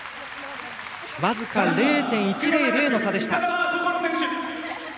僅か０．１００の差でした。